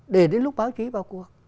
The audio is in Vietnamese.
để đến lúc báo chí vào cua